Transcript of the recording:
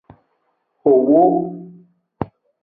Xowo.